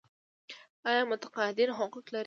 آیا متقاعدین حقوق لري؟